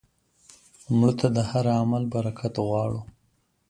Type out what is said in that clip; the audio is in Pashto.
مړه ته د هر عمل برکت غواړو